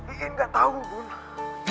iin gak tau bund